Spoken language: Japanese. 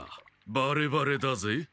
バレバレだぜ。